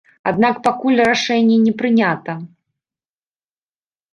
Аднак пакуль рашэння не прынята.